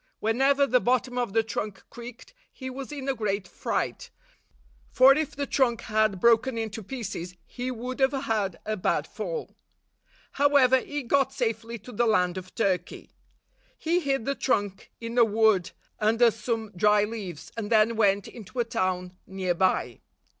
Whenever the bottom of the trunk creaked, he was in a great fright ; for if the trunk had broken to pieces, he would have had a bad fall. However, he got safely to the land of Turkey. I 9 I He hid the trunk in a wood under some dry leaves, and then went into a town near by.